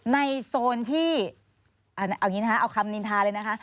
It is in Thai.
โซนที่เอาอย่างนี้นะคะเอาคำนินทาเลยนะคะ